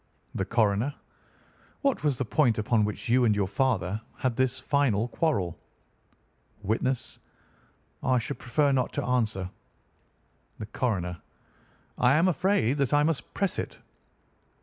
"The Coroner: What was the point upon which you and your father had this final quarrel? "Witness: I should prefer not to answer. "The Coroner: I am afraid that I must press it.